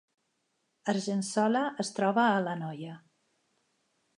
Argençola es troba a l’Anoia